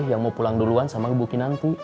yang mau pulang duluan sama ibu kinanti